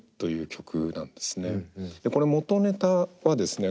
これ元ネタはですね